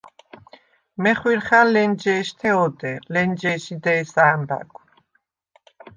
მეხვირხა̈ნ ლენჯე̄შთე ოდე, ლენჯე̄ში დე̄სა ა̈მბა̈გვ.